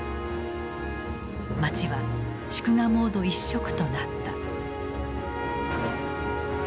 街は祝賀モード一色となった。